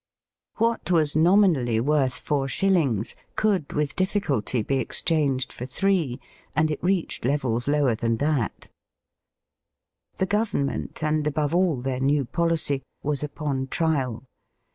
What was nominally worth four Digitized by VjOOQIC 4 EAST BY WEST. shillings, could with difficulty be exchanged for three, and it reached levels lower than that. The Government, and above all their new policy, was upon trial.